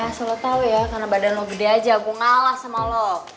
eh so lo tau ya karena badan lo gede aja gua ngalah sama lo